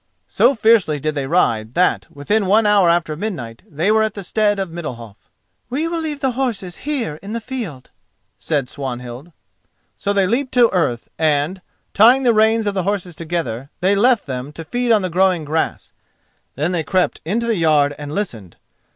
So fiercely did they ride that, within one hour after midnight, they were at the stead of Middalhof. "We will leave the horses here in the field," said Swanhild. So they leaped to earth and, tying the reins of the horses together, left them to feed on the growing grass. Then they crept into the yard and listened.